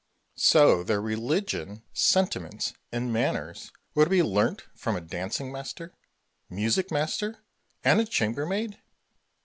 Mercury. So their religion, sentiments, and manners were to be learnt from a dancing master, music master, and a chambermaid!